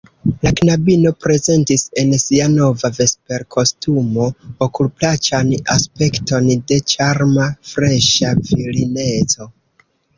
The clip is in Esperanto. La knabino prezentis en sia nova vesperkostumo okulplaĉan aspekton de ĉarma, freŝa virineco.